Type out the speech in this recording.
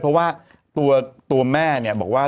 เพราะว่าตัวแม่เนี่ยบอกว่า